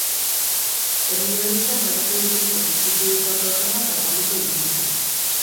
Herri horietan garatu dituzten bizikidetza programak azalduko dituzte.